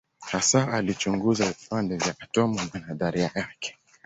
Hasa alichunguza vipande vya atomu na nadharia yake.